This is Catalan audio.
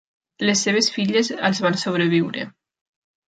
Les seves filles els van sobreviure.